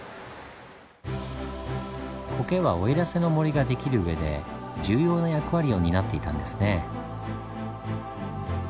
コケは奥入瀬の森ができるうえで重要な役割を担っていたんですねぇ。